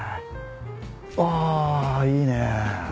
あいいね。